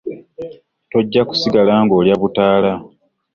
Tajja kusigala ng'alya butaala.